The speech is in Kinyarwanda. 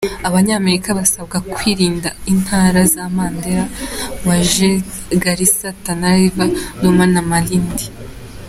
Abanyamerika basabwa kwirinda intara za Mandera, Wajir, Garissa, Tana River, Lamu na Malindi.